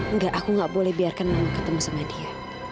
enggak aku gak boleh biarkan mama ketemu sama dia